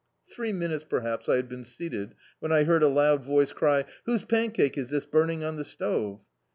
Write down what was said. Three minutes perhaps I had been seated when I heard a loud voice cry — "Whose pancake is this burning on the stove